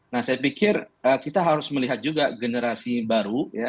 nah saya pikir kita harus melihat juga generasi baru ya